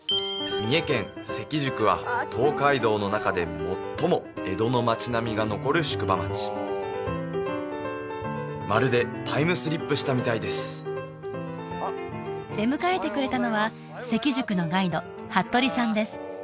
三重県関宿は東海道の中で最も江戸の町並みが残る宿場町まるでタイムスリップしたみたいです出迎えてくれたのは関宿のガイド服部さんです